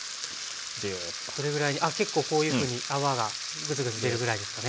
どれぐらいであっ結構こういうふうに泡がグツグツ出るぐらいですかね。